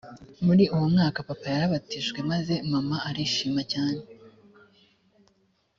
muri uwo mwaka papa yarabatijwe maze mama arishima cyane